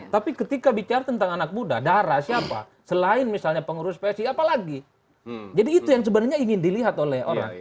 tapi ketika bicara tentang anak muda darah siapa selain misalnya pengurus psi apalagi jadi itu yang sebenarnya ingin dilihat oleh orang